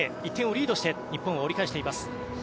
１点をリードして日本は折り返しています。